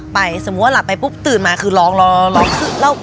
มีความรักของเรา